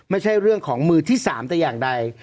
ไม่ใช่เรื่องของมือที่๓แต่อย่างใด